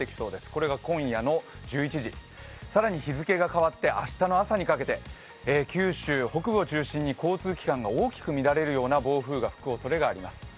これが今夜の１１時、更に日付が変わって明日の朝にかけて九州北部を中心に交通機関が大きく乱れるような暴風雨が吹くおそれがあります。